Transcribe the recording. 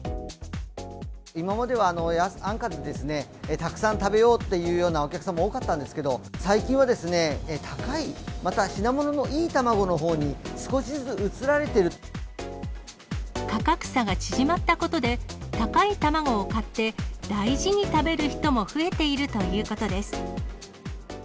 今までは安価でたくさん食べようっていうようなお客さんも多かったんですけれども、最近は、高い、または品物のいい卵のほうに、価格差が縮まったことで、高い卵を買って、大事に食べる人も増えているということです。